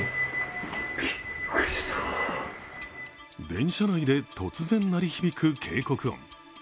電車内で突然鳴り響く警告音。